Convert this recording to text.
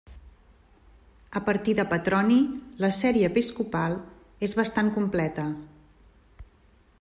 A partir de Petroni la sèrie episcopal és bastant completa.